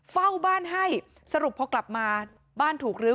เฝ้าบ้านให้สรุปพอกลับมาบ้านถูกลื้อ